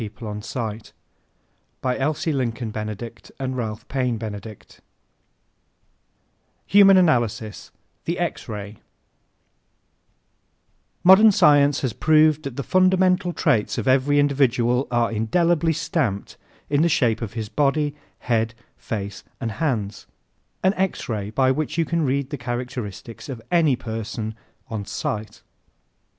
_ It's not how much you know but what you can DO that counts Human Analysis The X Ray _Modern science has proved that the fundamental traits of every individual are indelibly stamped in the shape of his body, head, face and hands an X ray by which you can read the characteristics of any person on sight.